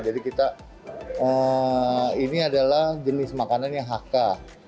jadi kita ini adalah jenis makanan yang hakka